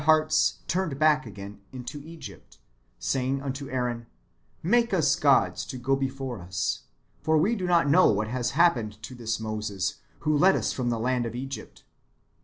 [Book hearts turned back again into Egypt, saying unto Aaron, Make us gods to go before us ; for we do not know what has happened to [this] Moses, who led us from the land of Egypt.